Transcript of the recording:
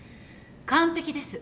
完璧です。